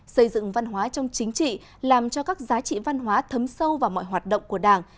xây dựng văn hóa trong chính trị làm cho các giá trị văn hóa thấm sâu vào mọi hoạt động của đảng